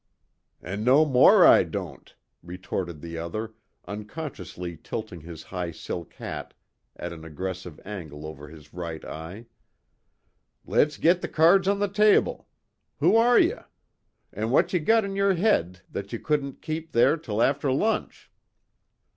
"An' no more I don't," retorted the other, unconsciously tilting his high silk hat at an aggressive angle over his right eye. "Let's git the cards on the table. Who are ye? An' what ye got in ye're head that ye couldn't kape there till afther lunch?"